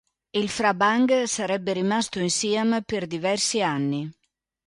Il Phra Bang sarebbe rimasto in Siam per diversi anni.